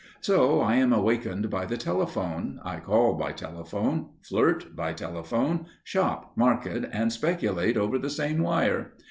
So I am awakened by the telephone, I call by telephone, flirt by telephone, shop, market and speculate over the same wire.